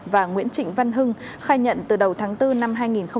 và nguyễn trịnh văn hưng khai nhận từ đầu tháng bốn năm hai nghìn hai mươi